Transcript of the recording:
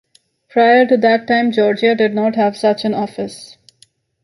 Prior to that time, Georgia did not have such an office.